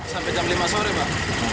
sampai jam lima sore pak